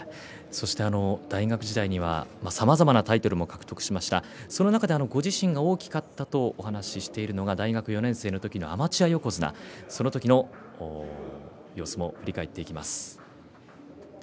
大学時代には、さまざまなタイトルを獲得しましたがその中でご自身が大きかったと話しているのが、大学４年生の時のアマチュア横綱、その時の様子を振り返っていきます。